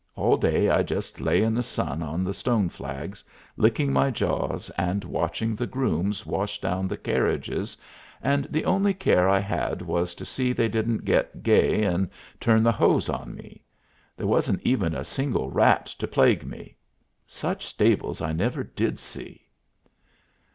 All day I just lay in the sun on the stone flags, licking my jaws, and watching the grooms wash down the carriages, and the only care I had was to see they didn't get gay and turn the hose on me. There wasn't even a single rat to plague me. Such stables I never did see.